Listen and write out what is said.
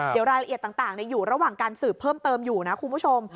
เดี๋ยวรายละเอียดต่างอยู่ระหว่างการสืบเพิ่มเติมอยู่นะคุณผู้ชม